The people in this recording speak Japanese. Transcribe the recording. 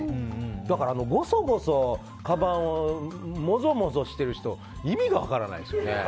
だから、ごそごそかばんをもぞもぞしてる人意味が分からないですね。